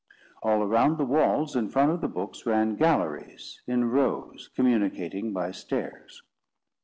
All around the walls, in front of the books, ran galleries in rows, communicating by stairs.